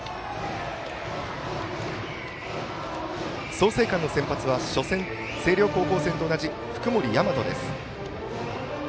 創成館の先発は初戦、星稜高校戦と同じ福盛大和です。